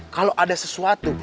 kalo ada sesuatu